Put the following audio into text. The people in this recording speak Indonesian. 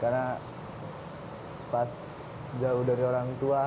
karena pas jauh dari orang tua